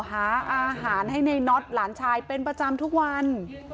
หาอาหารให้ในน็อตหลานชายเป็นประจำทุกวัน